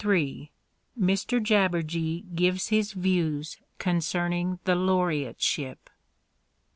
III _Mr Jabberjee gives his views concerning the Laureateship.